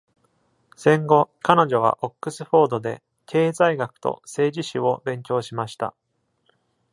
戦後、彼女はオックスフォードで経済学と政治史を勉強しました。